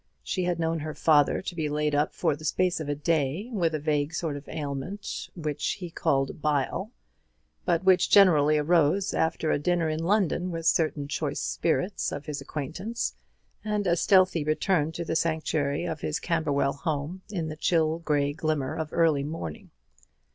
She had known her father to be laid up for the space of a day with a vague sort of ailment which he called "bile," but which generally arose after a dinner in London with certain choice spirits of his acquaintance, and a stealthy return to the sanctuary of his Camberwell home in the chill grey glimmer of early morning.